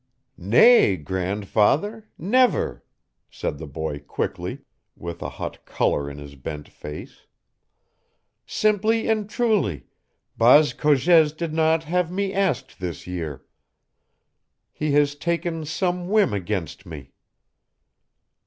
"Nay, grandfather never," said the boy quickly, with a hot color in his bent face. "Simply and truly, Baas Cogez did not have me asked this year. He has taken some whim against me."